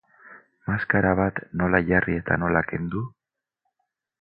Maskara bat nola jarri eta nola kendu?